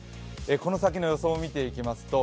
この先の予想を見ていきます。